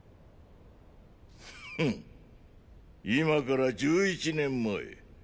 今から十一年前。